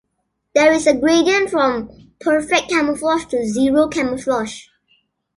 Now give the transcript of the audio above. There is a gradient from perfect camouflage to zero camouflage.